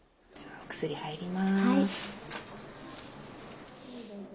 お薬入ります。